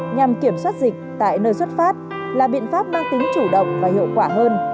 nhằm kiểm soát dịch tại nơi xuất phát là biện pháp mang tính chủ động và hiệu quả hơn